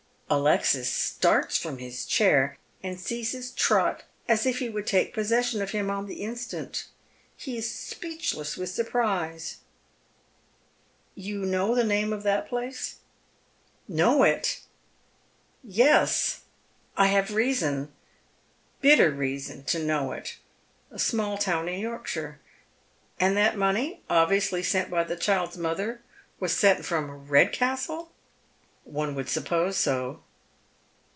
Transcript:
Alexis starts from his chair and seizes Trot as if he Avould take possession of him on the instant. He is epeechlesB wi(b purpiise. A Father's Claim. 276 " You know the name of that place." " Know it ? yee. I have reason, bitter reason, to know it. A small town in Yorkshire. And that money, obviously sent by the child's mother, was sent from Redcastle ?"" One would suppose so."